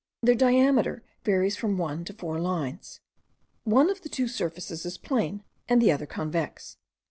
Their diameter varies from one to four lines. One of their two surfaces is plane, and the other convex.